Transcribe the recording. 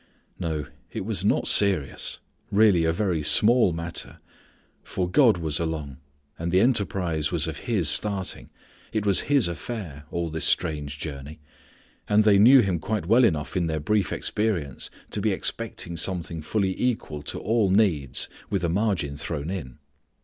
No, it was not serious: really a very small matter, for God was along, and the enterprise was of His starting. It was His affair, all this strange journey. And they knew Him quite well enough in their brief experience to be expecting something fully equal to all needs with a margin thrown in.